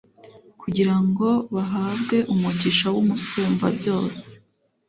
kugira ngo bahabwe umugisha w'umusumbabyose